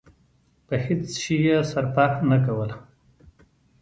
په هېڅ شي يې صرفه نه کوله.